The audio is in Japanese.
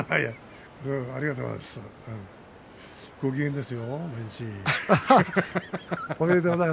ありがとうございます。